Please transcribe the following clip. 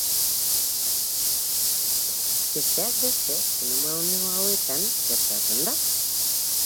Besteak beste fenomeno hauetan gertatzen da.